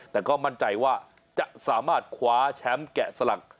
แต่ก็มั่นใจว่าจะสามารถคว้าแชมป์แกะสลัก